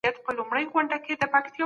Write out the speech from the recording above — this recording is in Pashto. هغه قوانين چي کشف سوي ډېر مهم دي.